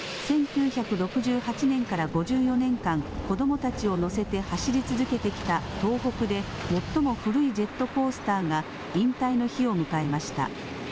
１９６８年から５４年間、子どもたちを乗せて走り続けてきた東北で最も古いジェットコースターが引退の日を迎えました。